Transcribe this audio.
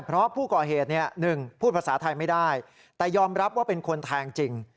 เพราะผู้ก่อเหตุหนึ่งพูดภาษาไทยไม่ได้แต่ยอมรับว่าเป็นคนแทงจริง